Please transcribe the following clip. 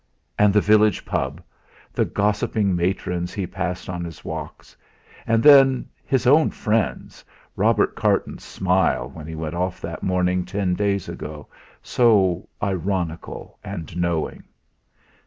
And the village pub! the gossiping matrons he passed on his walks; and then his own friends Robert Carton's smile when he went off that morning ten days ago; so ironical and knowing!